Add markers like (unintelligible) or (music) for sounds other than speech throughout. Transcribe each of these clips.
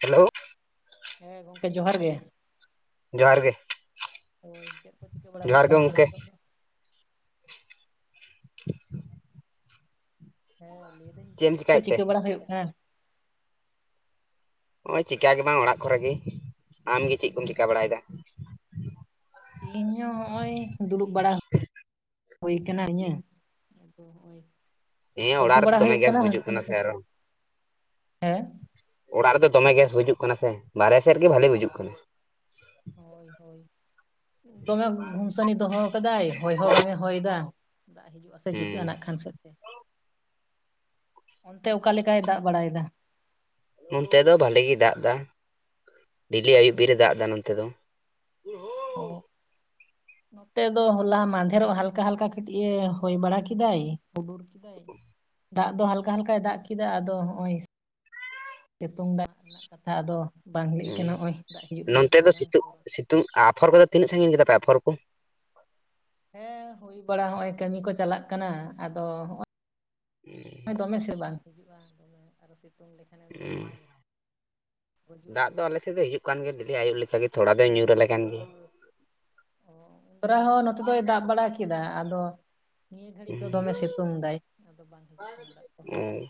Hello ᱦᱮᱸ ᱜᱚᱢᱠᱮ ᱡᱚᱦᱟᱨ ᱜᱮ᱾ ᱡᱚᱦᱟᱨ ᱜᱮ ᱦᱳᱭ ᱪᱮᱫ ᱠᱚ ᱪᱤᱠᱟᱹ ᱵᱟᱲᱟ ᱡᱚᱦᱟᱨ ᱦᱩᱭᱩᱜ ᱜᱮ ᱠᱟᱱᱟ ᱛᱚ ᱜᱚᱢᱠᱮ ᱱᱤᱛᱚᱜ ᱫᱚ? (inaudible) ᱦᱮᱸ ᱞᱟᱹᱭᱫᱟᱹᱧ ᱮᱢ ᱪᱮᱫ ᱠᱚ ᱪᱮᱠᱟᱭᱮᱫ ᱛᱮ ᱪᱤᱠᱟᱹ ᱵᱟᱲᱟ ᱦᱩᱭᱩᱜ ᱠᱟᱱᱟ? ᱱᱚᱜ-ᱚᱭ ᱪᱮᱠᱟ ᱜᱮ ᱵᱟᱝ ᱚᱲᱟᱜ ᱠᱚᱨᱮ ᱜᱮ ᱟᱢᱜᱮ ᱪᱮᱫ ᱠᱚᱢ ᱪᱮᱠᱟ ᱵᱟᱲᱟᱭᱮᱫᱟ? ᱤᱧ ᱦᱚᱸ ᱱᱚᱦᱚ-ᱚᱭ ᱫᱩᱲᱩᱵ ᱵᱟᱲᱟ ᱦᱩᱭ ᱟᱠᱟᱱᱟ ᱤᱧᱟᱹ ᱳ ᱤᱭᱟᱹ ᱦᱮᱸ ᱚᱲᱟᱜ ᱜᱚᱞᱯᱷᱚ ᱨᱮᱫᱚ ᱵᱟᱲᱟ ᱫᱚᱢᱮ ᱦᱩᱭᱩᱜ ᱜᱮᱥ ᱠᱟᱱᱟ ᱵᱩᱡᱩᱜ ᱦᱟᱹᱱᱠᱩ ᱥᱮ ᱱᱠᱩ ᱟᱨᱚ ᱥᱟᱶ ᱦᱮᱸ ᱚᱲᱟᱜ ᱨᱮᱫᱚ ᱫᱚᱢᱮ ᱜᱮᱥ ᱵᱩᱡᱩᱜ ᱠᱟᱱᱟ ᱥᱮ ᱵᱟᱦᱮᱨᱮ ᱥᱮᱫ ᱨᱮ ᱜᱮ ᱵᱟᱹᱞᱤ ᱵᱩᱡᱩ ᱠᱟᱱᱟ ᱦᱳᱭ ᱦᱳᱭ ᱫᱚᱢᱮ ᱜᱩᱢᱥᱟᱱᱤ ᱫᱚᱦᱚ ᱠᱟᱫᱟᱭ ᱦᱚᱭ ᱦᱚᱸ ᱵᱟᱝ ᱮ ᱦᱚᱭ ᱫᱟ ᱫᱟᱜ ᱦᱤᱡᱩ-ᱟ ᱥᱮ ᱦᱮᱸ ᱪᱤᱠᱟᱹ ᱟᱱᱟᱜ ᱠᱷᱟᱱ ᱥᱮᱫ ᱛᱮ ᱚᱱᱛᱮ ᱚᱠᱟ ᱞᱮᱠᱟᱭ ᱫᱟᱜ ᱵᱟᱲᱟᱭᱮᱫᱟ? ᱱᱚᱱᱚᱛᱮ ᱫᱚ ᱵᱷᱟᱞᱤᱜᱤᱭ ᱫᱟᱜᱽ ᱮᱫᱟ ᱰᱮᱞᱤ ᱟᱹᱭᱩᱵ ᱵᱮᱨᱮᱫ ᱫᱟᱜ ᱮᱫᱟ ᱱᱚᱱᱚᱛᱮ ᱫᱚ᱾ ᱚ ᱱᱚᱛᱮ ᱫᱚ ᱦᱚᱞᱟ ᱢᱟᱫᱮᱨᱚᱜ ᱦᱟᱞᱠᱟ ᱦᱟᱞᱠᱟ ᱠᱟᱹᱴᱤᱡ ᱮ ᱦᱚᱭ ᱵᱟᱲᱟ ᱠᱮᱫᱟᱭ ᱦᱩᱰᱩᱨ᱾ ᱞᱮᱫᱟᱭ ᱫᱟᱜ ᱫᱚ ᱦᱟᱞᱠᱟ ᱦᱟᱞᱠᱟᱭ ᱫᱟᱜ ᱠᱮᱫᱟ ᱟᱫᱚ ᱱᱚᱦᱚᱸ-ᱚᱭ ᱥᱤᱛᱩᱝ ᱫᱟᱜ ᱨᱮᱱᱟᱜ ᱠᱟᱛᱷᱟ ᱟᱫᱚ ᱵᱟᱝ ᱞᱮᱭ ᱦᱮᱸ, ᱠᱟᱱᱟ ᱱᱚ-ᱚᱭ ᱫᱟᱜ ᱦᱤᱡᱩᱜ ᱠᱟᱱᱟ ᱥᱮ ᱵᱟᱝ ᱵᱚᱨᱚ ᱛᱩᱝ ᱟᱯᱷᱚᱨ ᱠᱚ ᱛᱤᱱᱟᱹᱥᱟᱜᱤᱧ ᱠᱮᱫᱟ ᱯᱮ ᱟᱯᱷᱚᱨ ᱠᱚ? ᱦᱮᱸ ᱦᱩᱭ ᱵᱟᱲᱟ ᱱᱚ-ᱚᱭ ᱠᱟᱹᱢᱤ ᱠᱚ ᱪᱟᱞᱟᱜ ᱠᱟᱱᱟ ᱟᱫᱚ ᱱᱚ-ᱚᱭ ᱫᱚᱢᱮ ᱥᱮᱫ ᱵᱟᱝ ᱦᱤᱡᱩᱜ-ᱟ ᱫᱚᱢᱮ ᱟᱨᱚ ᱥᱮ ᱦ ᱜᱩᱡᱩᱜᱼᱟ ᱫᱟᱜ ᱫᱚ ᱟᱞᱮ ᱥᱮᱫ ᱫᱚ ᱦᱩᱭᱩᱜ ᱠᱟᱱᱟ ᱦᱤᱡᱩᱜ ᱦᱩᱭᱩᱜ ᱠᱟᱱ ᱜᱮ ᱫᱮᱞᱤ ᱟᱭᱩᱵ ᱞᱮᱠᱟᱜᱮ ᱛᱷᱚᱲᱟ ᱫᱚᱭ ᱧᱩᱨ ᱟᱞᱮ ᱠᱟᱱ ᱜᱮᱭᱟ ᱚ ᱛᱷᱚᱨᱟ ᱦᱚᱸ ᱱᱚᱛᱮ ᱫᱚᱭ ᱫᱟᱵ ᱵᱟᱲᱟ ᱠᱮᱫᱟ ᱟᱫᱚ᱾ ᱱᱤᱭᱟᱹ ᱜᱷᱟᱹᱲᱤᱡ ᱫᱚᱢᱮ ᱦᱮᱸ, ᱥᱤᱛᱩᱝ ᱫᱟᱭ ᱟᱫᱚ ᱵᱟᱝ ᱦᱤᱡᱩᱜ ᱠᱟᱱᱟ ᱫᱟᱜ ᱠᱚ ᱦᱩᱸ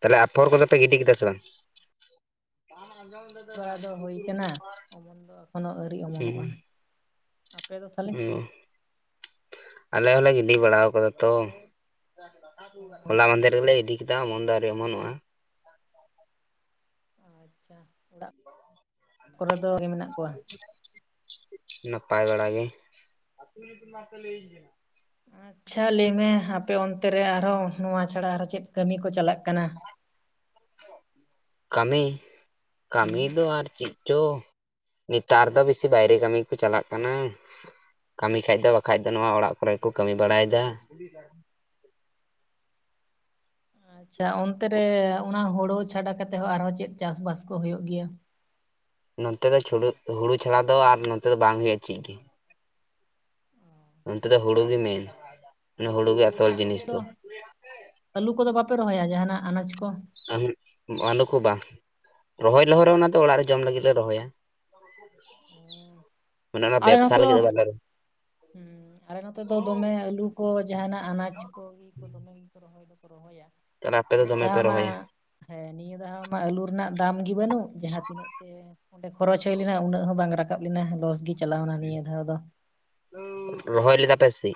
ᱛᱟᱦᱞᱮ ᱟᱯᱷᱚᱨ ᱠᱚᱫᱚ ᱯᱮ ᱜᱤᱰᱤ ᱠᱮᱫᱟ ᱥᱮ ᱵᱟᱝ? ᱵᱟᱲᱟ ᱫᱚ ᱦᱩᱭ ᱠᱟᱱᱟ ᱚᱢᱚᱱ ᱫᱚ ᱮᱠᱷᱚᱱᱳ ᱟᱹᱣᱨᱤ ᱚᱢᱚᱱᱚᱜᱼᱟ ᱦᱮᱸ ᱟᱯᱮ ᱫᱚ ᱛᱟᱦᱚᱞᱮ ᱚ ᱟᱞᱮ ᱦᱚᱸᱞᱮ ᱜᱤᱰᱤ ᱵᱟᱲᱟ ᱟᱠᱟᱫᱟ ᱛᱚ ᱦᱚᱞᱟ ᱢᱸᱫᱷᱮᱨ ᱨᱮᱜᱞᱮ ᱤᱫᱤ ᱠᱮᱫᱟ ᱚᱢᱚᱱ ᱫᱚ ᱟᱩᱨᱤ ᱚᱢᱚᱱᱚᱜᱼᱟ ᱟᱪᱪᱷᱟ ᱚᱲᱟᱜ ᱠᱚᱨᱮ ᱫᱚ ᱢᱮᱱᱟᱜ ᱠᱚᱣᱟ? ᱱᱟᱯᱟᱭ ᱵᱟᱲᱟ ᱜᱮ ᱟᱪᱪᱷᱟ ᱞᱟᱹᱭᱢᱮ ᱟᱯᱮ ᱚᱱᱛᱮ ᱨᱮ ᱟᱨᱦᱚᱸ ᱱᱚᱣᱟ ᱪᱷᱟᱲᱟ ᱟᱨᱚ ᱪᱮᱫ ᱠᱟᱹᱢᱤ ᱠᱚ ᱪᱟᱞᱟᱜ ᱠᱟᱱᱟ? ᱠᱟᱹᱢᱤ ᱠᱟᱹᱢᱤ ᱦᱩᱸ ᱫᱚ ᱟᱨ ᱪᱮᱫ ᱪᱚ ᱱᱮᱛᱟᱨ ᱫᱚ ᱵᱮᱥᱤ ᱵᱟᱭᱨᱮ ᱠᱟᱹᱢᱤ ᱠᱚ ᱪᱟᱞᱟᱜ ᱠᱟᱱᱟ ᱠᱟᱹᱢᱤ ᱠᱷᱟᱡ ᱫᱚ ᱵᱟᱠᱷᱟᱡ ᱫᱚ ᱱᱚᱣᱟ ᱚᱲᱟᱜ ᱠᱚᱨᱮ ᱠᱚ ᱠᱟᱹᱢᱤ ᱵᱟᱲᱟᱭᱮᱫᱟ (unintelligible) ᱟᱪᱪᱷᱟ ᱚᱱᱛᱮ ᱨᱮ ᱚᱱᱟ ᱦᱚᱲᱚ ᱪᱷᱟᱰᱟ ᱠᱟᱛᱮᱫ ᱦᱚᱸ ᱟᱨᱦᱚᱸ ᱪᱮᱫ ᱪᱟᱥᱵᱟᱥ ᱠᱚ ᱦᱩᱭᱩᱜ ᱜᱮᱭᱟ? ᱱᱚᱛᱮ ᱫᱚ ᱦᱩᱲᱩ ᱪᱷᱟᱲᱟ ᱫᱚ ᱟᱨ ᱱᱚᱛᱮ ᱫᱚ ᱵᱟᱝ ᱦᱳᱭᱳᱜ-ᱟ ᱪᱮᱫ ᱜᱮ᱾ ᱚᱱᱛᱮ ᱫᱚ ᱦᱩᱲᱩᱤ ᱜᱮ ᱢᱮᱱ ᱦᱩᱲᱩ ᱜᱮ ᱟᱫᱚ ᱟᱥᱚᱞ ᱟᱹᱞᱩ ᱡᱤᱱᱤᱥ ᱠᱚᱫᱚ ᱫᱚ ᱟᱹᱞᱩ ᱠᱚᱫᱚ ᱵᱟᱯᱮ ᱨᱚᱦᱚᱭᱟ ᱡᱟᱦᱟᱱᱟᱜ ᱟᱱᱟᱡᱽ ᱠᱚ? ᱟᱞᱚ ᱠᱚ ᱵᱟᱝ ᱨᱚᱦᱚᱭ ᱞᱮᱦᱚᱨᱮ ᱚᱱᱟ ᱫᱚ ᱚᱲᱟᱜ ᱨᱮ ᱡᱚᱢ ᱞᱟᱹᱜᱤᱫ ᱞᱮ ᱨᱚᱦᱚᱭᱟ ᱚᱱᱟᱢᱟ ᱵᱮᱵᱥᱟ ᱞᱟᱹᱜᱤᱫ ᱫᱚ ᱵᱟᱝ ᱞᱮ ᱦᱮᱸ ᱟᱞᱮ ᱱᱚᱛᱮ ᱫᱚ ᱫᱚᱢᱮ ᱟᱹᱞᱩ ᱠᱚ ᱡᱟᱦᱟᱱᱟᱜ ᱟᱱᱟᱡ ᱠᱚ ᱤᱭᱟᱹ ᱠᱚ ᱫᱚᱢᱮ ᱜᱮᱠᱚ ᱨᱚᱦᱚᱭ ᱫᱚ ᱨᱚᱦᱚᱭᱟ ᱛᱟᱦᱚᱞᱮ ᱟᱯᱮ ᱫᱚ ᱱᱤᱭᱟᱹ ᱫᱚᱢᱮ ᱯᱮ ᱫᱷᱟᱣ ᱢᱟ ᱨᱚᱦᱚᱭᱟ ᱦᱮᱸ ᱱᱤᱭᱟᱹ ᱫᱷᱟᱣ ᱢᱟ ᱟᱹᱞᱩ ᱨᱮᱱᱟᱜ ᱫᱟᱢ ᱜᱮ ᱵᱟᱹᱱᱩᱜ ᱡᱟᱦᱟᱸ ᱛᱤᱱᱟᱹᱜ ᱛᱮ ᱚᱸᱰᱮ ᱠᱷᱚᱨᱚᱪ ᱦᱩᱭ ᱞᱮᱱᱟ ᱩᱱᱟᱹᱜ ᱦᱚᱸ ᱵᱟᱝ ᱨᱟᱠᱟᱵ ᱞᱮᱱᱟ ᱞᱚᱥ ᱜᱤ ᱪᱟᱞᱟᱣᱱᱟ ᱱᱤᱭᱟᱹ ᱫᱷᱟᱣ ᱫᱚ ᱨᱚᱦᱚᱭ ᱞᱮᱫᱟ ᱯᱮ ᱥᱤ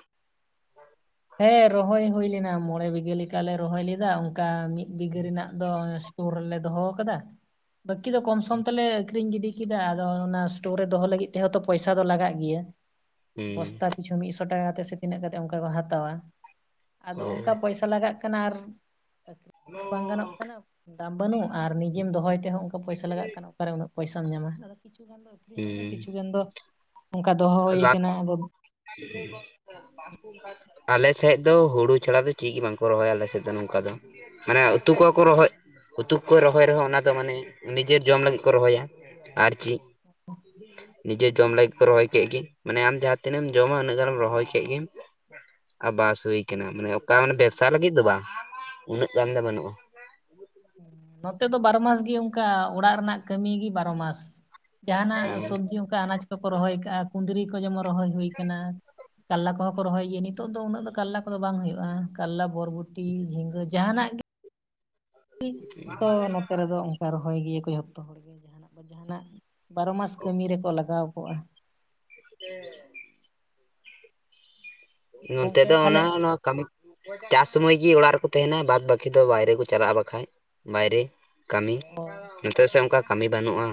ᱦᱮᱸ ᱨᱚᱦᱚᱭ ᱦᱩᱭ ᱞᱮᱱᱟ ᱢᱚᱬᱮ ᱵᱤᱜᱷᱟᱹ ᱞᱮᱠᱟᱞᱮ ᱨᱚᱦᱚᱭ ᱞᱮᱫᱟ ᱚᱱᱠᱟ ᱢᱤᱫ ᱵᱤᱜᱷᱟᱹ ᱨᱮᱱᱟᱜ ᱫᱚ ᱥᱴᱩᱨ ᱨᱮᱞᱮ ᱫᱚᱦᱚ ᱟᱠᱟᱫᱟ ᱵᱟᱹᱠᱤ ᱫᱚ ᱠᱚᱢ ᱥᱚᱢ ᱛᱮᱞᱮ ᱟᱠᱷᱨᱤᱧ ᱜᱤᱰᱤ ᱠᱮᱫᱟ ᱟᱫᱚ ᱚᱱᱟ ᱥᱴᱳᱨ ᱨᱮ ᱫᱚᱦᱚ ᱞᱟᱹᱜᱤᱫ ᱛᱮᱦᱚᱸ ᱛᱚ ᱯᱚᱭᱥᱟ ᱫᱚ ᱞᱟᱜᱟᱜ ᱜᱮᱭᱟ ᱦᱩᱸ ᱵᱚᱥᱛᱟ ᱯᱤᱪᱷᱩ ᱢᱤᱫᱥᱚ ᱴᱟᱠᱟ ᱠᱟᱛᱮᱫ ᱥᱮ ᱛᱤᱱᱟᱹᱜ ᱠᱟᱛᱮᱫ ᱚᱱᱠᱟ ᱠᱚ ᱦᱟᱛᱟᱣᱟ ᱟᱫᱚ ᱚ ᱚᱱᱠᱟ ᱯᱚᱭᱥᱟ ᱞᱟᱜᱟᱜ ᱠᱟᱱᱟ ᱟᱨ ᱟᱹᱠᱷᱨᱤᱧ ᱦᱚᱸ ᱵᱟᱝ ᱜᱟᱱᱚᱜ ᱠᱟᱱᱟ ᱫᱟᱢ ᱵᱟᱹᱱᱩᱜ ᱟᱨ ᱱᱤᱡᱮᱢ ᱫᱚᱦᱚᱭ ᱛᱮᱦᱚᱸ ᱚᱱᱠᱟ ᱯᱚᱭᱥᱟ ᱞᱟᱜᱟᱜ ᱠᱟᱱᱟ ᱚᱠᱟᱨᱮ ᱩᱱᱟᱹᱜ ᱯᱚᱭᱥᱟᱢ ᱧᱟᱢᱟ ᱟᱫᱚ ᱠᱤᱪᱷᱩ ᱜᱟᱱ ᱫᱚ ᱤᱧᱢᱮᱱᱟ ᱠᱤᱪᱷᱩ ᱦᱩᱸ ᱜᱟᱱ ᱫᱚ ᱚᱱᱠᱟ ᱫᱚᱦᱚ ᱦᱩᱭ ᱠᱟᱱᱟ ᱟᱫᱚ ᱱᱚᱣᱟ ᱠᱷᱟᱹᱛᱤᱨ ᱠᱚ ᱵᱟᱜ ᱯᱟᱜ ᱟᱞᱮ ᱥᱮᱫ ᱫᱚ ᱦᱩᱲᱩ ᱪᱷᱟᱲᱟ ᱫᱚ ᱪᱮᱫ ᱜᱤ ᱵᱟᱝᱠᱚ ᱨᱚᱦᱚᱭᱟ ᱟᱞᱮᱥᱮᱫ ᱫᱚ ᱱᱚᱝᱠᱟ ᱫᱚ ᱦᱮᱸ ᱩᱛᱩᱠᱚ ᱠᱚ ᱨᱚᱦᱚᱭ ᱩᱛᱩᱠᱚ ᱨᱚᱦᱚᱭ ᱨᱮᱦᱚᱸ ᱚᱱᱟ ᱫᱚ ᱢᱟᱱᱮ ᱱᱤᱡᱮᱨ ᱡᱚᱢ ᱞᱟᱹᱜᱤᱫ ᱠᱚ ᱨᱚᱦᱚᱭᱟ ᱟᱨ ᱪᱮᱫ ᱱᱤᱡᱮ ᱡᱚᱢ ᱞᱟᱹᱜᱤᱫ ᱠᱚ ᱨᱚᱦᱚᱭ ᱠᱮᱫ ᱜᱤ ᱢᱟᱱᱮ ᱟᱢ ᱡᱟᱦᱟᱸᱛᱤᱱᱟᱹᱜ ᱮᱢ ᱡᱚᱢᱟ ᱩᱱᱟᱹᱜ ᱜᱟᱱᱮᱢ ᱨᱚᱦᱚᱭ ᱠᱮᱜ ᱜᱮᱢ ᱟᱨ ᱵᱟᱥ ᱦᱩᱭ ᱠᱟᱱᱟ ᱢᱟᱱᱮ ᱚᱠᱟ ᱟᱢ ᱵᱮᱵᱽᱥᱟ ᱞᱟᱹᱜᱤᱫ ᱫᱚ ᱵᱟᱝ ᱩᱱᱟᱹᱜ ᱜᱟᱱ ᱫᱚ ᱵᱟᱹᱱᱩᱜᱼᱟ ᱱᱚᱛᱮ ᱫᱚ ᱵᱟᱨᱚ ᱢᱟᱥ ᱜᱤ ᱚᱱᱠᱟ ᱚᱲᱟᱜ ᱨᱮᱱᱟᱜ ᱠᱟᱹᱢᱤᱜᱤ ᱵᱟᱨᱚ ᱢᱟᱥ ᱡᱟᱦᱟᱱᱟᱜ ᱥᱚᱵᱽᱡᱤ ᱚᱱᱠᱟ ᱟᱱᱟᱡ ᱠᱚᱠᱚ ᱨᱚᱦᱚᱭ ᱟᱠᱟᱜᱼᱟ ᱠᱩᱸᱫᱽᱨᱤ ᱠᱚ ᱡᱮᱢᱚᱱ ᱨᱚᱦᱚᱭ ᱦᱩᱭ ᱠᱟᱱᱟ ᱠᱟᱨᱞᱟ ᱠᱚᱦᱚᱸ ᱠᱚ ᱨᱚᱦᱚᱭ ᱜᱮᱭᱟ ᱱᱤᱛᱚᱜ ᱫᱚ ᱩᱱᱟᱹᱜ ᱫᱚ ᱠᱟᱨᱞᱟ ᱠᱚᱫᱚ ᱵᱟᱝ ᱦᱩᱭᱩᱜᱼᱟ ᱠᱟᱨᱞᱟ ᱵᱚᱨᱵᱚᱴᱤ ᱡᱷᱤᱸᱜᱟᱹ ᱡᱟᱦᱟᱱᱟᱜ ᱜᱮ ᱜᱤ ᱛᱚ ᱱᱚᱛᱮ ᱨᱮᱫᱚ ᱚᱱᱠᱟ ᱨᱚᱦᱚᱭ ᱜᱤᱭᱟᱹ ᱠᱚ ᱡᱷᱚᱛᱚ ᱦᱚᱲᱜᱮ ᱡᱟᱦᱟᱱᱟᱜ ᱵᱟ ᱡᱟᱦᱟᱱᱟᱜ ᱵᱟᱨᱚ ᱢᱟᱥ ᱠᱟᱹᱢᱤ ᱨᱮᱠᱚ ᱞᱟᱜᱟᱣ ᱠᱚᱜᱼᱟ ᱦᱮᱸ ᱱᱚᱱᱛᱮ ᱜᱚᱝᱠᱮ ᱫᱚ ᱛᱟᱦᱚᱞᱮ ᱚᱱᱟ ᱚᱱᱟᱜ ᱠᱟᱹᱢᱤ ᱪᱟᱥ ᱥᱩᱢᱚᱭ ᱜᱮ ᱚᱲᱟᱜ ᱨᱮᱠᱚ ᱛᱟᱦᱮᱸᱱᱟ ᱵᱟᱫ ᱵᱟᱹᱠᱤ ᱫᱚ ᱵᱟᱭᱨᱮ ᱠᱚ ᱪᱟᱞᱟᱜᱼᱟ ᱵᱟᱠᱷᱟᱡ ᱵᱟᱭᱨᱮ ᱠᱟᱹᱢᱤ ᱚ ᱱᱤᱛᱚᱜ ᱥᱮᱫ ᱚᱱᱠᱟ ᱠᱟᱹᱢᱤ ᱵᱟᱹᱱᱩᱜᱼᱟ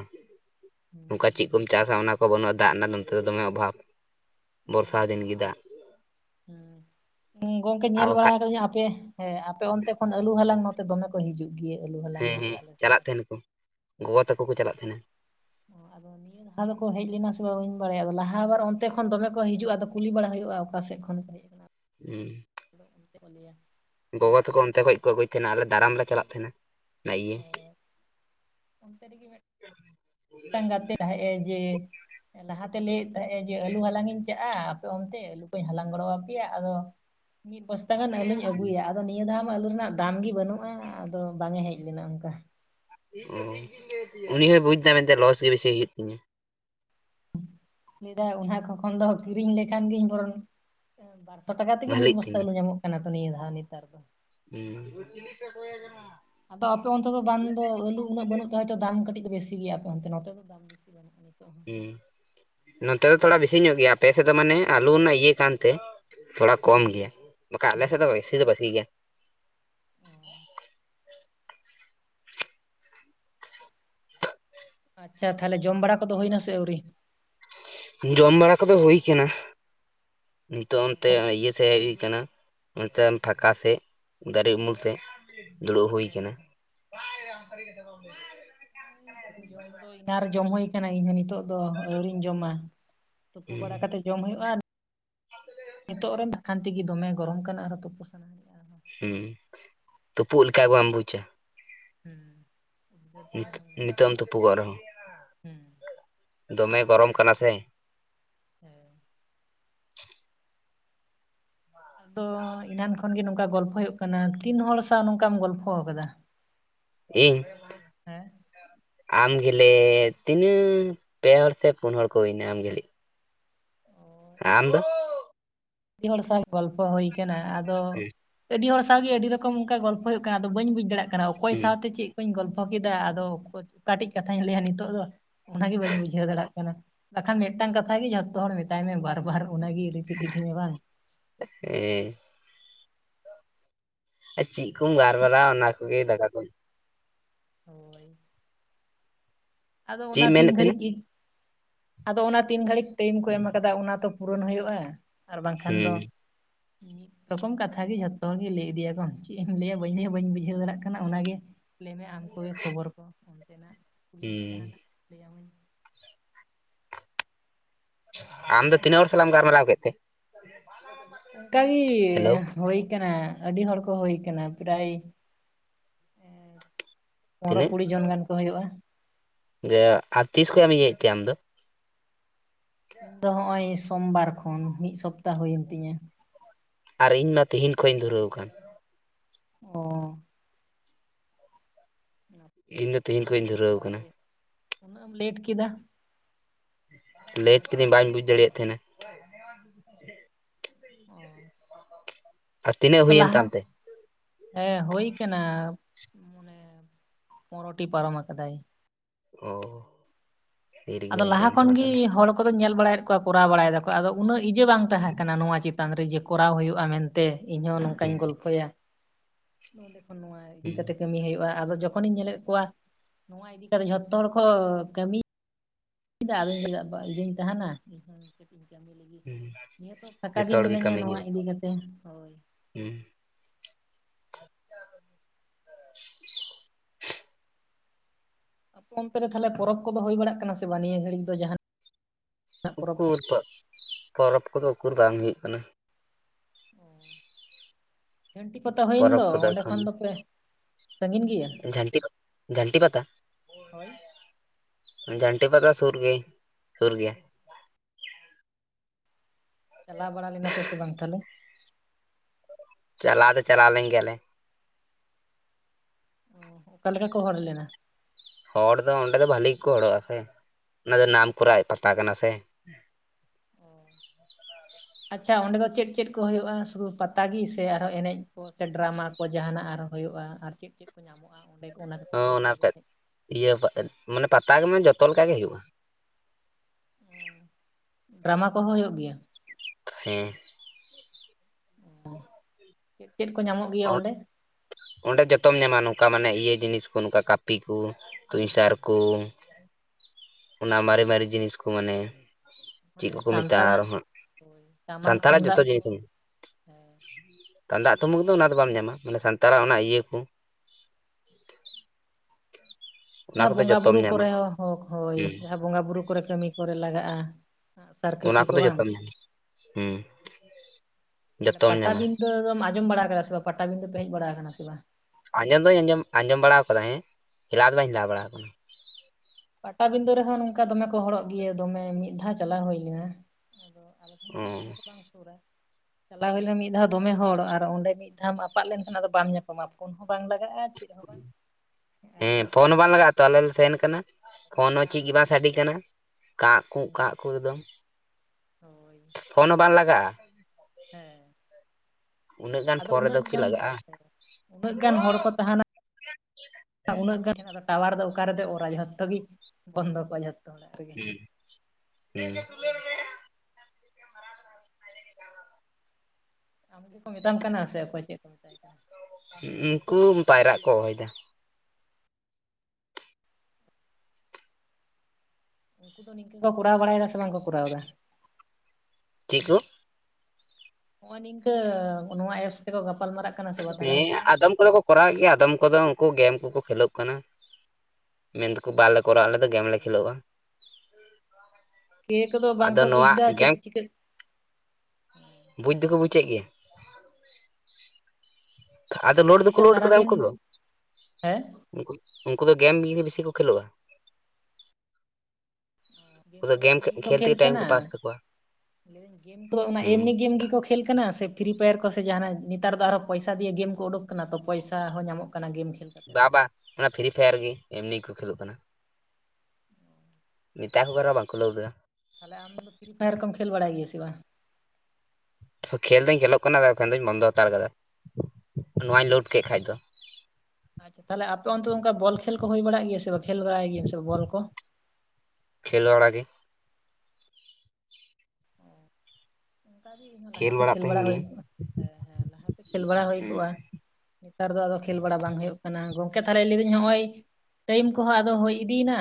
ᱚᱱᱠᱟ ᱪᱮᱫ ᱠᱚᱢ ᱪᱟᱥᱟ ᱚᱱᱟ ᱠᱚ ᱵᱟᱹᱱᱩᱜᱼᱟ ᱫᱟᱜ ᱨᱮᱱᱟᱜ ᱱᱚᱱᱛᱮ ᱫᱚ ᱫᱚᱢᱮ ᱚᱵᱷᱟᱵᱽ ᱚ ᱵᱚᱨᱥᱟ ᱫᱤᱱ ᱜᱤ ᱫᱟᱜ ᱦᱩᱸ ᱜᱚᱝᱠᱮ ᱟᱨ ᱧᱮᱞ ᱵᱟᱲᱟ ᱵᱟᱠᱷᱟᱡ ᱠᱟᱹᱫᱤᱧᱟ ᱟᱯᱮ ᱦᱮᱸ ᱟᱯᱮ ᱚᱱᱛᱮ ᱠᱷᱚᱱ ᱟᱹᱞᱩ ᱦᱟᱞᱟᱝ ᱱᱚᱛᱮ ᱫᱚᱢᱮ ᱠᱚ ᱦᱤᱡᱩᱜ ᱜᱮᱭᱟ ᱟᱹᱞᱩ ᱦᱟᱞᱟᱝ ᱦᱮᱸ ᱱᱚᱛᱮ ᱦᱮᱸ ᱟᱞᱮ ᱥᱮᱫ ᱪᱟᱞᱟᱜ ᱛᱟᱦᱮᱱ ᱠᱚ ᱜᱚᱜᱚ ᱛᱟᱠᱚ ᱠᱚ ᱪᱟᱞᱟᱜ ᱛᱟᱦᱮᱱᱟ ᱚ ᱟᱫᱚ ᱱᱤ ᱱᱤᱫᱷᱟᱣ ᱫᱚᱠᱚ ᱦᱮᱡ ᱞᱮᱱᱟ ᱥᱮ ᱵᱟᱝ ᱵᱟᱹᱧ ᱵᱟᱲᱟᱭᱟ ᱞᱟᱦᱟᱵᱟᱨ ᱚᱱᱛᱮ ᱠᱷᱚᱱ ᱫᱚᱢᱮ ᱠᱚ ᱦᱤᱡᱩᱜᱼᱟ ᱟᱫᱚ ᱠᱩᱞᱤ ᱵᱟᱲᱟ ᱦᱩᱭᱩᱜᱼᱟ ᱚᱠᱟᱥᱮᱫ ᱠᱷᱚᱱ ᱯᱮ ᱦᱮᱡ ᱟᱠᱟᱱᱟ ᱦᱮᱸ ᱟᱫᱚ ᱚᱱᱛᱮ ᱠᱚ ᱞᱟᱹᱭᱟ ᱜᱚᱜᱚ ᱛᱟᱠᱚ ᱚᱱᱛᱮ ᱠᱷᱚᱡ ᱠᱚ ᱟᱹᱜᱩᱭᱮᱫ ᱛᱟᱦᱮᱸᱱᱟ ᱟᱞᱮ ᱫᱟᱨᱟᱢ ᱞᱮ ᱪᱟᱞᱟᱜ ᱛᱟᱦᱮᱸᱱᱟ ᱵᱷᱟᱹᱜᱤ ᱜᱤ ᱚ ᱚᱱᱛᱮᱨᱮᱜᱤ ᱢᱤᱫᱼᱴᱟᱝ ᱜᱟᱛᱮ ᱛᱟᱦᱮᱸᱜᱼ ᱮ ᱡᱮ ᱞᱟᱦᱟᱛᱮ ᱛᱮ ᱞᱟᱹᱭᱮᱫ ᱛᱟᱸᱦᱮᱫ ᱡᱮ ᱟᱹᱞᱩ ᱦᱟᱞᱟᱝ ᱤᱧ ᱪᱟᱜ ᱟ ᱟᱯᱮ ᱚᱱᱛᱮ ᱟᱹᱞᱩ ᱠᱚᱧ ᱦᱟᱞᱟᱝ ᱜᱚᱲᱚ ᱟᱯᱮᱭᱟ ᱟᱫᱚ ᱢᱤᱫ ᱵᱚᱥᱛᱟ ᱜᱟᱱ ᱟᱹᱞᱩᱧ ᱟᱹᱜᱩᱭᱟ ᱟᱫᱚ ᱱᱤᱭᱟᱹᱫᱷᱟᱣ ᱢᱟ ᱟᱞᱩ ᱨᱮᱱᱟᱜ ᱫᱟᱢ ᱜᱤ ᱵᱟᱹᱱᱩᱜᱼᱟ ᱟᱫᱚ ᱵᱟᱝ ᱮ ᱦᱮᱡ ᱞᱮᱱᱟ ᱚᱱᱠᱟ ᱚ ᱩᱱᱤ ᱦᱚᱸᱭ ᱵᱩᱡ ᱫᱟ ᱢᱮᱱᱛᱮ ᱞᱚᱥ ᱜᱤ ᱵᱮᱥᱤ ᱦᱩᱭᱩᱜ ᱛᱤᱧᱟᱹ ᱞᱟᱹᱭᱫᱟᱭ ᱚᱱᱟ ᱠᱚ ᱠᱷᱚᱱ ᱫᱚ ᱠᱤᱨᱤᱧ ᱞᱮᱠᱷᱟᱱ ᱜᱤᱧ ᱵᱚᱨᱚᱱ ᱵᱟᱨᱥᱚ ᱴᱟᱠᱟ ᱛᱮᱜᱮ ᱢᱤᱫ ᱵᱷᱟᱞᱤᱜ ᱵᱚᱥᱛᱟ ᱛᱤᱧᱟᱹ ᱟᱹᱞᱩ ᱧᱟᱢᱚᱜ ᱠᱟᱱᱟ ᱛᱚ ᱱᱤᱭᱟᱹ ᱫᱷᱟᱣ ᱱᱮᱛᱟᱨ ᱫᱚ ᱦᱩᱸ ᱩᱱ ᱪᱤᱞᱤ ᱯᱮ ᱠᱚᱭᱮ ᱠᱟᱱᱟ ᱟᱫᱚ ᱟᱯᱮ ᱚᱱᱛᱮ ᱫᱚ ᱵᱟᱝ ᱫᱚ ᱟᱹᱞᱩ ᱩᱱᱟᱹᱜ ᱵᱟᱹᱱᱩᱜ ᱛᱮ ᱦᱚᱭ ᱛᱚ ᱫᱟᱢ ᱠᱟᱹᱴᱤᱡ ᱫᱚ ᱵᱤᱥᱤ ᱜᱮᱭᱟ ᱟᱯᱮᱚᱱᱛᱮ ᱱᱚᱛᱮ ᱫᱚ ᱫᱟᱢ ᱵᱮᱥᱤ ᱵᱟᱱᱩᱜ ᱱᱤᱛᱚᱜ ᱦᱚᱸ ᱦᱮᱸ ᱱᱚᱛᱮ ᱫᱚ ᱛᱷᱚᱲᱟ ᱵᱤᱥᱤ ᱧᱚᱜ ᱜᱮᱭᱟ ᱟᱯᱮ ᱥᱮᱫ ᱫᱚ ᱢᱟᱱᱮ ᱟᱞᱩ ᱨᱮᱱᱟᱜ ᱤᱭᱟᱹ ᱠᱟᱱ ᱛᱮ ᱛᱷᱚᱲᱟ ᱠᱚᱢ ᱦᱩᱸ ᱜᱮᱭᱟ ᱵᱟᱠᱷᱟᱡ ᱟᱞᱮ ᱦᱩᱸ ᱥᱮᱫ ᱫᱚ ᱣᱟᱹᱭᱥᱤ ᱫᱚ ᱵᱟᱹᱥᱤ ᱜᱮᱭᱟ ᱟᱪᱪᱷᱟ ᱛᱟᱦᱚᱞᱮ ᱡᱚᱢ ᱵᱟᱲᱟ ᱠᱚᱫᱚ ᱦᱩᱭᱱᱟ ᱥᱮ ᱟᱹᱣᱨᱤ ᱡᱚᱢ ᱵᱟᱲᱟ ᱠᱚᱫᱚ ᱦᱩᱭ ᱟᱠᱟᱱᱟ ᱱᱤᱛᱚᱜ ᱚᱱᱛᱮ ᱛᱩᱯᱩ ᱤᱭᱟᱹ ᱥᱮᱡ ᱦᱮᱡ ᱦᱩᱭ ᱠᱟᱱᱟ ᱚᱱᱛᱮᱢ ᱯᱷᱟᱸᱠᱟ ᱥᱮᱫ ᱫᱟᱨᱮ ᱩᱢᱩᱞ ᱥᱮᱫ ᱫᱩᱲᱩᱵ ᱦᱩᱭ ᱠᱟᱱᱟ (unintelligible) ᱡᱚᱢ ᱫᱚ ᱮᱱᱟ ᱨᱮ ᱡᱚᱢ ᱦᱩᱭ ᱠᱟᱱᱟ ᱤᱧ ᱦᱚᱸ ᱱᱤᱛᱚᱜ ᱫᱚ ᱟᱹᱣᱨᱤᱧ ᱡᱚᱢᱟ ᱛᱩᱯᱩ ᱦᱩᱸ ᱵᱟᱲᱟ ᱠᱟᱛᱮ ᱡᱚᱢ ᱦᱩᱭᱩᱜ-ᱟ ᱱᱤᱛᱚᱜ ᱨᱮ ᱦᱟᱜ ᱠᱷᱟᱱ ᱛᱤᱜᱤ ᱫᱚᱢᱮ ᱜᱚᱨᱚᱢ ᱠᱟᱱᱟ ᱟᱨᱦᱚᱸ ᱛᱩᱯᱩ ᱥᱟᱱᱟ ᱦᱩᱭᱩᱜ-ᱟ ᱦᱩᱸ ᱛᱩᱯᱩᱜ ᱞᱮᱠᱟ ᱜᱮ ᱵᱟᱢ ᱵᱩᱡᱟ ᱦᱩᱸ ᱩᱫᱜᱟᱹᱨ ᱛᱤᱜᱤ ᱟᱨᱦᱚᱢ ᱞᱚᱦᱚᱜ ᱱᱤᱛᱚᱜ ᱮᱢ ᱪᱟᱵᱟᱜᱼᱟ ᱛᱩᱯᱩ ᱠᱚᱜ ᱨᱮᱦᱚᱸ ᱦᱩᱸ ᱫᱚᱢᱮ ᱜᱚᱨᱚᱢ ᱠᱟᱱᱟ ᱥᱮ ᱦᱮᱸ ᱟᱫᱚ ᱮᱱᱟᱱ ᱠᱷᱚᱱ ᱜᱮ ᱱᱚᱝᱠᱟ ᱜᱚᱞᱯᱷᱚ ᱦᱩᱭᱩᱜ ᱠᱟᱱᱟ ᱛᱤᱱ ᱦᱚᱲ ᱥᱟᱶ ᱱᱚᱝᱠᱟᱢ ᱜᱚᱞᱯᱷᱚ ᱣᱟᱠᱟᱫᱟ᱾ ᱤᱧ ᱦᱮᱸ ᱟᱢ ᱜᱮᱞᱮ ᱛᱤᱱᱟᱹᱜ ᱯᱮ ᱦᱚᱲ ᱥᱮ ᱯᱩᱱ ᱦᱚᱲ ᱠᱚ ᱦᱩᱭᱱᱟ ᱟᱢ ᱜᱮᱞᱮᱜ ᱚ ᱟᱢ ᱫᱚ ᱟᱹᱰᱤ ᱦᱚᱲ ᱥᱟᱶ ᱜᱚᱞᱯᱷᱚ ᱦᱩᱭ ᱠᱟᱱᱟ ᱟᱫᱚ ᱦᱮᱸ ᱟᱹᱰᱤ ᱦᱚᱲ ᱥᱟᱶᱜᱮ ᱟᱹᱰᱤ ᱨᱚᱠᱚᱢ ᱚᱝᱠᱟ ᱜᱚᱞᱯᱷᱚ ᱦᱩᱭᱩᱜ ᱠᱟᱱᱟ ᱟᱫᱚ ᱵᱟᱹᱧ ᱵᱩᱡᱽ ᱫᱟᱲᱮᱭᱟᱜ ᱠᱟᱱᱟ ᱚᱠᱚᱭ ᱥᱟᱶᱛᱮ ᱪᱮᱫ ᱠᱚᱧ ᱜᱚᱞᱯᱷᱚ ᱠᱮᱫᱟ ᱟᱫᱚ ᱚᱠᱟᱴᱤᱡ ᱠᱟᱛᱷᱟᱧ ᱞᱟᱹᱭᱟ ᱱᱤᱛᱚᱜ ᱫᱚ ᱚᱱᱟ ᱜᱮ ᱵᱟᱹᱧ ᱵᱩᱡᱷᱟᱹᱣ ᱫᱟᱲᱟᱜ ᱠᱟᱱᱟ ᱟᱠᱷᱟᱱ ᱢᱤᱫᱴᱟᱝ ᱠᱟᱛᱷᱟ ᱜᱤ ᱡᱷᱚᱛᱚ ᱦᱚᱲ ᱢᱮᱛᱟᱭ ᱢᱮ ᱵᱟᱨ ᱵᱟᱨ ᱚᱱᱟ ᱜᱤ ᱨᱤᱯᱤᱴ ᱤᱫᱤ ᱢᱮ ᱵᱟᱝ ᱦᱮ ᱟᱨ ᱪᱤᱜ ᱠᱩᱢ ᱜᱟᱨᱢᱟᱨᱟᱣ ᱚᱱᱟ ᱠᱚᱜᱮ ᱫᱟᱠᱟ ᱠᱚᱢ ᱦᱳᱭ ᱟᱫᱚ ᱪᱮᱫ ᱚᱱᱟ ᱮᱢ ᱛᱤᱱ ᱢᱮᱱᱮᱫ ᱛᱟᱦᱮᱱᱟ ᱜᱷᱟᱹᱲᱤᱡ ᱜᱤ ᱟᱫᱚ ᱚᱱᱟ ᱛᱤᱱ ᱜᱷᱟᱹᱲᱤᱡ ᱴᱟᱭᱤᱢ ᱠᱚ ᱮᱢ ᱠᱟᱫᱟ ᱚᱱᱟ ᱛᱚ ᱯᱩᱨᱚᱱ ᱦᱩᱭᱩᱜ-ᱟ ᱟᱨ ᱵᱟᱝ ᱠᱷᱟᱱ ᱫᱚ ᱦᱮᱸ ᱢᱤᱫ ᱨᱚᱠᱚᱢ ᱠᱟᱛᱷᱟ ᱜᱤ ᱡᱷᱚᱛᱚ ᱜᱤ ᱞᱟᱹᱭ ᱤᱫᱤ ᱭᱟᱠᱚᱢ ᱪᱮᱫ ᱮᱢ ᱞᱟᱹᱭᱟ ᱵᱟᱹᱧ ᱞᱟᱹᱭᱟ ᱵᱟᱹᱧ ᱵᱩᱡᱷᱟᱹᱣ ᱫᱟᱲᱟᱜ ᱠᱟᱱᱟ ᱚᱱᱟ ᱜᱮ ᱞᱟᱹᱭ ᱢᱮ ᱟᱢ ᱠᱚᱜᱮ ᱠᱷᱚᱵᱚᱨ ᱠᱚ ᱚᱱᱛᱮᱱᱟᱜ ᱠᱩᱞᱤᱧ ᱦᱮᱸ ᱢᱮ ᱡᱟᱦᱟᱱᱟᱜ ᱞᱟᱹᱭ ᱭᱟᱹᱢᱟᱹᱧ ᱟᱢ ᱫᱚ ᱛᱤᱱᱟᱹᱜ ᱦᱚᱲ ᱥᱟᱞᱟᱜ ᱮᱢ ᱜᱟᱞᱢᱟᱨᱟᱣ ᱠᱮᱫ ᱛᱮ (unintelligible) ᱚᱝᱠᱟ ᱜᱤ ᱦᱮᱞᱳ ᱦᱩᱭ ᱠᱟᱱᱟ ᱟᱹᱰᱤ ᱦᱚᱲ ᱠᱚ ᱦᱩᱭ ᱠᱟᱱᱟ ᱯᱨᱟᱭᱤ ᱯᱚᱱᱨᱚ ᱠᱩᱲᱤ ᱡᱚᱱ ᱜᱟᱱ ᱠᱚ ᱦᱩᱭᱩᱜ-ᱟ ᱡᱮ ᱟ ᱛᱤᱥ ᱠᱷᱚᱡ ᱮᱢ ᱤᱭᱟᱹᱭᱮᱫ ᱛᱮ ᱟᱢ ᱫᱚ ᱤᱧ ᱫᱚ ᱦᱚᱸᱜᱼᱚᱭ ᱥᱚᱢᱵᱟᱨ ᱠᱷᱚᱱ ᱢᱤᱫ ᱥᱚᱯᱛᱟ ᱦᱩᱭᱮᱱ ᱛᱤᱧᱟ ᱟᱨ ᱤᱧ ᱢᱟ ᱛᱤᱦᱤᱧ ᱠᱷᱚᱡ ᱤᱧ ᱫᱷᱩᱨᱟᱹᱣ ᱟᱠᱟᱱ ᱚ (unintelligible) ᱤᱧ ᱫᱚ ᱛᱤᱦᱤᱧ ᱠᱷᱚᱡ ᱤᱧ ᱫᱷᱩᱨᱟᱹᱣ ᱱᱟᱯᱟᱭ ᱟᱠᱟᱱᱟ ᱜᱮ ᱩᱱᱟᱹᱜ ᱮᱢ ᱞᱮᱴ ᱠᱮᱫᱟ ᱞᱮᱴ ᱠᱤᱫᱟᱹᱧ ᱵᱟᱹᱧ ᱵᱩᱡ ᱫᱟᱲᱮᱭᱟᱜ ᱛᱟᱦᱮᱱᱟ (unintelligible) ᱚ ᱟᱨ ᱛᱤᱱᱟᱹᱜ ᱟᱫᱚ ᱦᱩᱭᱮᱱ ᱞᱟᱦᱟ ᱛᱟᱢ ᱛᱮ ᱦᱮᱸ ᱦᱩᱭ ᱠᱟᱱᱟ ᱢᱚᱱᱮ ᱯᱚᱱᱨᱚᱴᱤ ᱯᱟᱨᱚᱢ ᱟᱠᱟᱫᱟᱭ ᱚ ᱫᱮᱨᱤ ᱜᱮ ᱟᱫᱚ ᱦᱩᱭ ᱞᱟᱦᱟ ᱠᱟᱱ ᱠᱷᱚᱱ ᱛᱟᱢᱟ ᱜᱤ ᱛᱟᱦᱚᱞᱮ ᱦᱚᱲ ᱠᱚᱫᱚ ᱧᱮᱞ ᱵᱟᱲᱟᱭᱮᱫ ᱠᱚᱣᱟ ᱠᱚᱨᱟᱣ ᱵᱟᱲᱟᱭ ᱫᱟᱠᱚ ᱟᱫᱚ ᱩᱱᱟᱹᱜ ᱤᱡᱟᱹ ᱵᱟᱝ ᱛᱟᱦᱮᱸ ᱠᱟᱱᱟ ᱱᱚᱣᱟ ᱪᱮᱛ ᱛᱟᱝ ᱨᱮ ᱡᱮ ᱠᱚᱨᱟᱣ ᱦᱩᱭᱩᱜ-ᱟ ᱢᱮᱱᱛᱮ ᱤᱧᱦᱚᱸ ᱱᱚᱝᱠᱟᱧ ᱦᱮᱸ ᱜᱚᱞᱯᱷᱚᱭᱟ ᱱᱚᱸᱵᱮ ᱠᱷᱚᱱ ᱱᱚᱣᱟᱭ ᱤᱫᱤ ᱦᱮᱸ ᱠᱟᱛᱮ ᱠᱟᱹᱢᱤ ᱦᱩᱭᱩᱜ-ᱟ ᱟᱫᱚ ᱡᱚᱠᱷᱚᱱᱤᱧ ᱧᱮᱞᱮᱫ ᱠᱚᱣᱟ ᱱᱚᱣᱟ ᱤᱫᱤ ᱠᱟᱛᱮ ᱡᱷᱚᱛᱚ ᱦᱚᱲ ᱠᱚ ᱠᱟᱹᱢᱤ ᱪᱮᱫᱟᱜ ᱟᱹᱫᱚᱧ ᱪᱟᱞᱟᱜ ᱵᱟ ᱤᱭᱟᱹᱧ ᱛᱟᱦᱮᱱᱟ ᱤᱧ ᱦᱚᱸ ᱢᱤᱫ ᱠᱟᱹᱴᱤᱡ ᱤᱧ ᱠᱟᱹᱢᱤ ᱞᱟ ᱦᱩᱸ ᱱᱤᱭᱟᱹ ᱛᱚ ᱯᱷᱟᱸᱠᱟ ᱡᱚᱛᱚ ᱜᱮ ᱦᱚᱲ ᱢᱤᱱᱟᱹᱧᱟ ᱱᱚᱣᱟ ᱤᱫᱤ ᱠᱟᱛᱮ ᱦᱳᱭ ᱾ ᱦᱮᱸ ᱟᱯᱮ ᱚᱱᱛᱮ ᱨᱮ ᱛᱟᱦᱚᱞᱮ ᱯᱚᱨᱚᱵᱽ ᱠᱚᱫᱚ ᱦᱩᱭ ᱵᱟᱲᱟᱜ ᱠᱟᱱᱟ ᱥᱮ ᱵᱟ? ᱱᱤᱭᱟᱹ ᱜᱷᱟᱹᱲᱤᱡ ᱫᱚ ᱡᱟᱦᱟᱱᱟᱜ ᱯᱚᱨᱚᱵᱽ ᱠᱚ ᱩᱠᱩᱨ ᱛᱚ, ᱯᱚᱨᱚᱵᱽ ᱠᱚᱫᱚ ᱩᱠᱩᱨ ᱵᱟᱝ ᱦᱩᱭᱩᱜ ᱠᱟᱱᱟ ᱾ ᱡᱷᱟᱹᱱᱴᱤ ᱯᱟᱛᱟ ᱦᱩᱭᱮᱱ ᱫᱚ ᱚᱸᱰᱮ ᱠᱷᱚᱱ ᱫᱚᱯᱮ ᱥᱟᱺᱜᱤᱧ ᱜᱮᱭᱟ ᱡᱷᱟᱱᱴᱤ ᱡᱷᱟᱱᱴᱤ ᱯᱟᱛᱟ? ᱦᱳᱭ ᱡᱷᱟᱱᱴᱤ ᱯᱟᱛᱟ ᱥᱩᱨ ᱜᱮ, ᱥᱩᱨ ᱜᱮ ᱾ ᱪᱟᱞᱟᱣ ᱵᱟᱲᱟ ᱞᱮᱱᱟ ᱯᱮᱥᱮ ᱵᱟᱝ ᱛᱟᱦᱚᱞᱮ? ᱪᱟᱞᱟᱣ ᱫᱚ ᱪᱟᱞᱟᱣ ᱞᱮᱱ ᱜᱮᱭᱟᱞᱮ ᱾ ᱚ ᱚᱠᱟ ᱞᱮᱠᱟ ᱠᱚ ᱦᱚᱲ ᱞᱮᱱᱟ? ᱦᱚᱲ ᱫᱚ ᱚᱸᱰᱮ ᱫᱚ ᱵᱷᱟᱹᱞᱤ ᱜᱮᱠᱚ ᱦᱚᱲᱚᱜᱼᱟ ᱥᱮ ᱾ ᱚᱱᱟ ᱫᱚ ᱱᱟᱢ ᱠᱚᱨᱟ ᱯᱟᱛᱟ ᱠᱟᱱᱟ ᱥᱮ ᱾ ᱟᱪᱪᱷᱟ ᱚᱸᱰᱮ ᱫᱚ ᱪᱮᱫ ᱪᱮᱫ ᱠᱚ ᱦᱩᱭᱩᱜᱼᱟ? ᱥᱩᱫᱩ ᱯᱟᱛᱟ ᱜᱮ ᱥᱮ ᱟᱨᱦᱚᱸ ᱮᱱᱮᱡ ᱠᱚ? ᱵᱚᱞᱛᱮ ᱰᱨᱟᱢᱟ ᱠᱚ ᱡᱟᱦᱟᱱᱟᱜ ᱟᱨ ᱦᱩᱭᱩᱜᱼᱟ? ᱟᱨ ᱪᱮᱫ ᱪᱮᱫ ᱠᱚ ᱧᱟᱢᱚᱜᱼᱟ? ᱚᱸᱰᱮ ᱚᱱᱟ ᱠᱚ ᱦᱚᱸ ᱠᱟᱹᱴᱤᱡ ᱮᱢ ᱚᱱᱟ ᱞᱟᱹᱭ ᱞᱮᱠᱷᱟᱱ ᱤᱭᱟᱹ (unintelligible) ᱢᱟᱱᱮ ᱯᱟᱛᱟ ᱜᱮ ᱢᱟᱱᱮ ᱡᱚᱛᱚ ᱞᱮᱠᱟ ᱜᱮ ᱦᱩᱭᱩᱜᱼᱟ ᱾ ᱰᱨᱟᱢᱟ ᱠᱚ ᱦᱩᱭᱩᱜ ᱜᱮᱭᱟ ᱾ ᱦᱮᱸ ᱾ ᱚ ᱪᱮᱫ ᱪᱮᱫ ᱠᱚ ᱧᱟᱢᱚᱜ ᱜᱮᱭᱟ ᱚᱸᱰᱮ? ᱚᱸᱰᱮ ᱡᱚᱛᱚᱢ ᱧᱟᱢᱟ ᱾ ᱱᱚᱝᱠᱟ ᱢᱟᱱᱮ ᱤᱭᱟᱹ ᱡᱤᱱᱤᱥ ᱠᱚ ᱱᱚᱝᱠᱟ ᱠᱟᱹᱯᱤ ᱠᱚ ᱛᱩᱸᱭ ᱥᱟᱨ ᱠᱚ ᱾ ᱚᱱᱟ ᱢᱟᱨᱮ ᱢᱟᱨᱮ ᱡᱤᱱᱤᱥ ᱠᱚ ᱢᱟᱱᱮ ᱪᱮᱫ ᱢᱟᱱᱮ ᱠᱚᱠᱚ ᱢᱮᱛᱟᱜᱼᱟ ᱥᱟᱱᱛᱟᱲᱟᱜ ᱟᱨᱚ ᱦᱟᱸᱜ, ᱦᱳᱭ ᱴᱟᱢᱟᱠ ᱥᱟᱱᱛᱟᱲᱟᱜ ᱛᱩᱢᱫᱟᱜ ᱡᱚᱛᱚ ᱠᱚ ᱡᱤᱱᱤᱥ ᱦᱮᱸ ᱛᱩᱢᱫᱟᱜ (unintelligible) ᱫᱚ ᱚᱱᱟ ᱫᱚ ᱵᱟᱢ ᱧᱟᱢᱟ, ᱢᱟᱱᱮ ᱥᱟᱱᱛᱟᱲᱟᱜ ᱚᱱᱟ ᱤᱭᱟᱹ ᱠᱚ ᱾ ᱚᱱᱟ ᱡᱟᱦᱟᱸ ᱠᱚᱫᱚ ᱡᱚᱛᱚᱢ ᱵᱚᱸᱜᱟᱼᱵᱩᱨᱩ ᱧᱟᱢᱟ ᱠᱚᱨᱮ ᱦᱚᱸ ᱦᱳᱠ ᱦᱳᱭ ᱦᱩᱸ ᱡᱟᱦᱟᱸ ᱵᱚᱸᱜᱟ ᱵᱩᱨᱩ ᱠᱚᱨᱮ ᱠᱟᱹᱢᱤ ᱠᱚᱨᱮ ᱞᱟᱜᱟᱜᱼᱟ᱾ ᱥᱟᱨ ᱠᱟᱹᱯᱤ ᱚᱱᱟ ᱠᱚ ᱠᱚᱫᱚ ᱵᱟᱝ? ᱡᱚᱛᱚᱢ ᱧᱟᱢᱟ ᱦᱩᱸ ᱛᱟᱦᱚᱞᱮ ᱡᱚᱛᱚᱢ ᱧᱟᱢᱟ ᱯᱟᱴᱟᱵᱤᱱ ᱟᱸᱡᱚᱢ ᱵᱟᱲᱟ ᱟᱠᱟᱱᱟ ᱥᱮ ᱵᱟᱝ? ᱯᱟᱴᱟᱵᱤᱱᱫᱷᱟ ᱫᱚ ᱯᱮ ᱦᱮᱡ ᱵᱟᱲᱟ ᱟᱠᱟᱱᱟ ᱥᱮ ᱵᱟᱝ? ᱟᱸᱡᱚᱢ ᱫᱚᱧ ᱟᱸᱡᱚᱢ ᱟᱸᱡᱚᱢ ᱵᱟᱲᱟ ᱠᱟᱫᱟ ᱦᱮᱸ, ᱦᱮᱞᱟ ᱫᱚ ᱵᱟᱧ ᱦᱮᱞᱟᱣ ᱵᱟᱲᱟ ᱠᱟᱱᱟ᱾ ᱯᱟᱴᱟᱵᱤᱸᱫᱟᱹ ᱨᱮᱦᱚᱸ ᱱᱚᱝᱠᱟ ᱫᱚᱢᱮ ᱠᱚ ᱦᱚᱲᱚᱨᱚᱜ ᱜᱮᱭᱟ, ᱫᱚᱢᱮ ᱢᱤᱫ ᱫᱷᱟᱣ ᱪᱟᱞᱟᱣ ᱦᱩᱭ ᱞᱮᱱᱟ᱾ ᱚ ᱢᱮᱱᱠᱷᱟᱱ ᱫᱚᱢᱮ ᱫᱚ ᱵᱟᱝ ᱥᱩᱨᱟ ᱾ ᱪᱟᱞᱟᱣ ᱦᱩᱭ ᱞᱮᱱᱟ ᱢᱤᱫ ᱫᱷᱟᱣ ᱫᱚᱢᱮ ᱦᱚᱲ, ᱟᱨ ᱚᱸᱰᱮ ᱢᱤᱫ ᱫᱷᱟᱣ ᱟᱯᱟᱜ ᱞᱮᱱᱠᱷᱟᱱ ᱟᱫᱚ ᱵᱟᱢ ᱧᱟᱯᱟᱢᱟ ᱯᱷᱳᱱ ᱦᱚᱸ ᱵᱟᱝ ᱞᱟᱜᱟᱜᱼᱟ ᱟᱨ ᱪᱮᱫ ᱦᱚᱸ ᱵᱟᱝ ᱟᱫ ᱦᱮᱸ ᱞᱮᱱᱠᱷᱟᱱ ᱯᱷᱳᱱ ᱦᱚᱸ ᱟᱫᱚ ᱵᱟᱝ ᱞᱟᱜᱟᱜᱼᱟ ᱛᱚ ᱟᱞᱮ ᱞᱮ ᱥᱮᱱ ᱠᱟᱱᱟ᱾ ᱯᱷᱳᱱ ᱦᱚᱸ ᱪᱮᱫ ᱜᱮ ᱵᱟᱝ ᱥᱟᱰᱮ ᱠᱟᱱᱟ ᱠᱟᱜ ᱠᱚ ᱦᱮᱸ ᱠᱟᱜ ᱠᱚ ᱮᱠᱫᱚᱢ ᱾ ᱦᱳᱭ ᱾ ᱞᱟᱜᱟᱜᱼᱟ ᱾ ᱦᱮᱸ ᱩᱱᱟᱹᱜ ᱜᱟᱱ ᱟᱫᱚ ᱯᱷᱳᱱ ᱨᱮᱫᱚ ᱩᱱᱟᱹᱜ ᱠᱤ ᱜᱟᱱ ᱞᱟᱜᱟᱜᱼᱟ ᱦᱮᱸ ᱾ ᱩᱱᱟᱹᱜ ᱜᱟᱱ ᱦᱚᱲ ᱠᱚ ᱛᱟᱦᱮᱱᱟ (unintelligible) ᱩᱱᱟᱹᱜ ᱜᱟᱱ ᱦᱮᱱᱟᱜᱟ ᱴᱟᱣᱟᱨ ᱫᱚ ᱚᱠᱟᱨᱮ ᱚᱨᱟ ᱡᱷᱚᱛᱚ ᱜᱮ ᱵᱚᱱᱫᱚ ᱠᱚᱜᱼᱟ ᱡᱷᱚᱛᱚ ᱦᱚᱲ ᱦᱮᱸ (unintelligible) ᱟᱢ ᱜᱮᱠᱚ ᱢᱮᱛᱟᱢ ᱠᱟᱱᱟ ᱥᱮ ᱚᱠᱚᱭ ᱪᱮᱫ ᱠᱚ ᱢᱮᱛᱟᱭ ᱠᱟᱱᱟ ᱩᱱᱠᱩ ᱯᱟᱭᱨᱟᱜ ᱠᱚ ᱦᱚᱦᱚᱭ ᱫᱟ ᱾ ᱩᱱᱠᱩ ᱫᱚ ᱱᱤᱝᱠᱟᱹ ᱠᱚ ᱠᱚᱨᱟᱣ ᱵᱟᱲᱟᱭ ᱫᱟ ᱥᱮ ᱵᱟᱝ ᱠᱚᱨᱟᱣ ᱫᱟ? ᱪᱮᱫ ᱠᱚ? ᱱᱚᱜᱼᱚᱭ ᱱᱤᱝᱠᱟᱹ ᱱᱚᱣᱟ ᱮᱯᱥ ᱛᱮᱠᱚ ᱜᱟᱯᱟᱞ ᱢᱟᱨᱟᱜ ᱠᱟᱱᱟ ᱥᱮ ᱵᱟᱝ ᱛᱟᱦᱚᱞᱮ ᱦᱮᱸ ᱩᱱᱠᱩ ᱫᱚ ᱟᱫᱚᱢ ᱠᱚᱫᱚ ᱠᱚ ᱠᱚᱨᱟᱣᱮᱫ ᱜᱮᱭᱟ᱾ ᱟᱫᱚᱢ ᱠᱚᱫᱚ ᱩᱱᱠᱩ ᱜᱮᱢ ᱠᱚᱠᱚ ᱠᱷᱮᱞᱳᱜ ᱠᱟᱱᱟ᱾ ᱢᱮᱱ ᱫᱟᱠᱚ ᱵᱟᱞᱮ ᱠᱚᱨᱟᱣ ᱟᱞᱮ ᱫᱚ ᱜᱮᱢ ᱞᱮ ᱠᱷᱮᱞᱳᱜᱼᱟ᱾ ᱠᱮ ᱠᱚᱫᱚ ᱵᱟᱝ ᱠᱚ ᱟᱫᱚ ᱵᱩᱡ ᱱᱚᱣᱟ ᱫᱟ ᱪᱮᱛ ᱜᱮᱢ ᱪᱤᱠᱟᱹ ᱵᱩᱡ ᱫᱚᱠᱚ ᱵᱩᱡᱮᱫ ᱜᱮ ᱾ ᱟᱫᱚ ᱱᱚᱜᱼᱚ ᱞᱳᱰ ᱫᱚᱠᱚ ᱱᱤᱝᱠᱟᱹ ᱞᱳᱰ ᱠᱟᱫᱟ ᱥᱟᱨᱟᱫᱤᱱ ᱩᱱᱠᱩ ᱫᱚ ᱾ ᱩᱱᱠᱩ ᱩᱱᱠᱩ ᱫᱚ ᱜᱮᱢ ᱵᱮᱥᱤ ᱠᱚ ᱠᱷᱮᱞᱳᱜᱼᱟ᱾ ᱜᱮᱢ ᱩᱱᱠᱩ ᱫᱚ ᱮᱢᱱᱤ ᱜᱮᱠᱚ ᱠᱷᱮᱞ ᱛᱮᱜᱮ ᱴᱟᱭᱤᱢ ᱠᱟᱱᱟ᱾ ᱠᱚ ᱯᱟᱥ ᱛᱟᱠᱚᱣᱟ ᱞᱟᱹᱭᱫᱟᱹᱧ ᱜᱮᱢᱫᱚ ᱚᱱᱟ ᱦᱩᱸ ᱮᱢᱱᱤ ᱜᱮᱢ ᱜᱮᱠᱚ ᱠᱷᱮ ᱠᱷᱮᱞ ᱠᱟᱱᱟ ᱥᱮ ᱯᱷᱨᱤ ᱯᱷᱟᱭᱟᱨ ᱠᱚ ᱥᱮ ᱡᱟᱦᱟᱱᱟᱜ, ᱱᱮᱛᱟᱨ ᱫᱚ ᱟᱨᱚᱸ ᱯᱚᱭᱥᱟ ᱫᱤᱭᱮ ᱜᱮᱢ ᱠᱚ ᱩᱰᱳᱠ ᱟᱠᱟᱱᱟ ᱛᱚ ᱯᱚᱭᱥᱟ ᱦᱚᱸ ᱧᱟᱢᱚᱜ ᱚᱱᱠᱟᱱᱟᱜ ᱜᱮᱢ ᱠᱷᱮᱞ ᱠᱟᱛᱮ ᱵᱟ ᱦᱚᱸ᱾ ᱵᱟ ᱚᱱᱟ ᱯᱷᱨᱤ ᱯᱷᱟᱭᱟᱨ ᱜᱮ ᱮᱢᱱᱤ ᱠᱚ ᱠᱷᱮᱞᱳᱜ ᱠᱟᱱᱟ ᱢᱮᱛᱟ ᱠᱚ ᱠᱟᱱ ᱨᱮᱦᱚᱸ ᱵᱟᱝᱠᱚ ᱞᱳᱰ ᱫᱟ ᱛᱟᱦᱚᱞᱮ ᱟᱢ ᱫᱚ ᱯᱷᱨᱤ ᱯᱷᱟᱭᱟᱨ ᱠᱚᱢ ᱠᱷᱮᱞ ᱵᱟᱲᱟᱭ ᱜᱮᱭᱟ ᱥᱮ ᱵᱟᱝ ᱠᱷᱮᱞ ᱫᱚᱧ ᱠᱷᱮᱞᱳᱜ ᱠᱟᱱᱟ ᱟᱫᱚ ᱮᱠᱷᱚᱱ ᱫᱚᱧ ᱵᱚᱱᱫᱚ ᱦᱟᱛᱟᱲ ᱠᱟᱫᱟ ᱱᱚᱣᱟᱧ ᱞᱳᱰ ᱠᱮᱜ ᱠᱷᱟᱡ ᱫᱚ ᱟᱪᱪᱷᱟ ᱛᱟᱦᱚᱞᱮ ᱟᱯᱮ ᱚᱱᱛᱮ ᱚᱱᱠᱟ ᱵᱚᱞ ᱠᱷᱮᱞ ᱠᱚ ᱦᱩᱭ ᱵᱟᱲᱟᱜ ᱜᱮᱭᱟ ᱥᱮ ᱠᱷᱮᱞ ᱵᱟᱲᱟᱭ ᱜᱮᱭᱟ ᱥᱮ ᱵᱚᱞ ᱠᱚ ᱠᱷᱮᱞ ᱵᱟᱲᱟᱜᱮ ᱚᱱᱠᱟᱜᱮ ᱤᱧᱦᱚᱸ ᱞᱟᱦᱟᱛᱮ ᱵᱟᱲᱟᱜ ᱠᱷᱮᱞ ᱛᱟᱦᱮᱱ ᱵᱟᱲᱟ ᱦᱩᱭ ᱜᱤᱧ ᱠᱚᱜᱼᱟ ᱦᱮᱸ ᱦᱮᱸ ᱞᱟᱦᱟᱛᱮ ᱠᱷᱮᱞ ᱵᱟᱲᱟ ᱦᱩᱭ ᱠᱚᱜᱼᱟ ᱱᱮᱛᱟᱨ ᱫᱚ ᱟᱫᱚ ᱠᱷᱮᱞ ᱵᱟᱲᱟ ᱵᱟᱝ ᱦᱩᱭᱩᱜ ᱠᱟᱱᱟ ᱜᱚᱝᱠᱮ ᱛᱟᱦᱚᱞᱮ ᱞᱟᱹᱭᱮᱫᱟᱹᱧ ᱱᱚᱜ ᱚᱚᱭ ᱴᱟᱭᱤᱢ ᱠᱚᱦᱚᱸ ᱟᱫᱚ ᱦᱳᱭ ᱤᱫᱤᱭ ᱱᱟ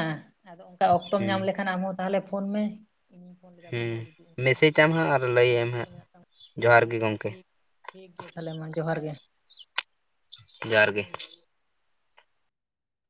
ᱟᱫᱚ ᱚᱱᱠᱟ ᱚᱠᱛᱚᱢ ᱦᱩᱸ ᱧᱟᱢ ᱞᱮᱠᱷᱟᱱ ᱟᱢᱦᱚᱸ ᱛᱟᱦᱚᱞᱮ ᱯᱷᱳᱱ ᱢᱮ ᱤᱧᱤᱧ ᱯᱷᱳᱱ ᱞᱮᱫᱟ ᱦᱮᱸ ᱢᱮᱥᱮᱡ ᱟᱢ ᱦᱟᱸᱜ ᱟᱨ ᱞᱟᱹᱭᱮᱢ ᱛᱟᱢᱟ ᱟᱪᱪᱷᱟ ᱴᱷᱤᱠ ᱴᱷᱤᱠ ᱜᱮᱭᱟ ᱛᱟᱦᱚᱞᱮ ᱢᱟ ᱡᱚᱦᱟᱨ ᱜᱮ ᱡᱚᱦᱟᱨ ᱜᱮ